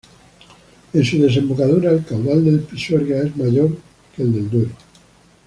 En su desembocadura el caudal del Pisuerga es mayor que el del Duero.